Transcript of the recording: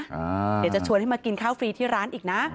เดี๋ยวจะชวนให้มากินข้าวฟรีที่ร้านอีกนะ